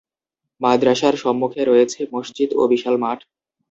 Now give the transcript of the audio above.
মাদ্রাসার সম্মুখে রয়েছে মসজিদ ও বিশাল মাঠ।